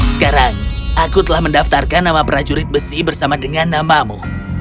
sekarang aku telah mendaftarkan nama prajurit besi bersama dengan namamu